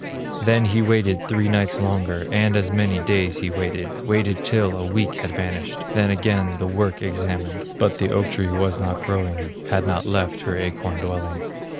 Then he waited three nights longer, And as many days he waited, Waited till a week had vanished, Then again the work examined; But the oak tree was not growing, Had not left her acorn dwelling.